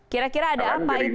kira kira ada apa itu mas arief